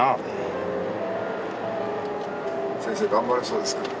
先生頑張れそうですか？